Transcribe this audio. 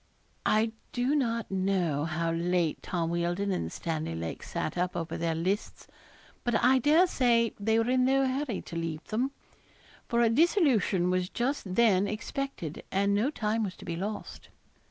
I do not know how late Tom Wealdon and Stanley Lake sat up over their lists; but I dare say they were in no hurry to leave them, for a dissolution was just then expected, and no time was to be lost.